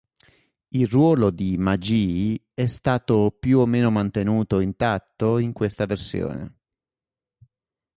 Il ruolo di Magee è stato più o meno mantenuto intatto in questa versione.